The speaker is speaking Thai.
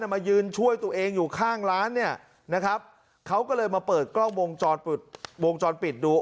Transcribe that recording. มายืนช่วยตัวเองอยู่ข้างร้านเนี่ยนะครับเขาก็เลยมาเปิดกล้องวงจรปิดวงจรปิดดู